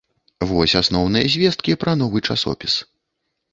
Вось асноўныя звесткі пра новы часопіс.